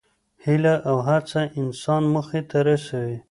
هیله او هڅه انسان موخې ته رسوي.